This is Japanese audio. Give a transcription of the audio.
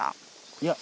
いや。